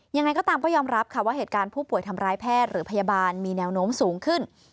ยังไงก็ตามก็ยอมรับค่ะว่าเหตุการณ์ผู้ป่วยทำร้ายแพทย์หรือพยาบาลมีแนวโน้มสูงขึ้น